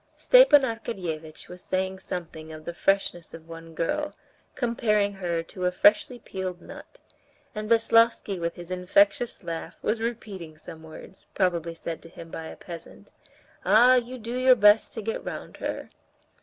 Stepan Arkadyevitch was saying something of the freshness of one girl, comparing her to a freshly peeled nut, and Veslovsky with his infectious laugh was repeating some words, probably said to him by a peasant: "Ah, you do your best to get round her!"